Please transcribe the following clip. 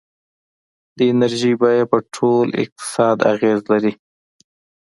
د انرژۍ بیه په ټول اقتصاد اغېزه لري.